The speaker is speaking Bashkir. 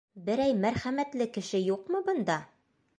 — Берәй мәрхәмәтле кеше юҡмы бында?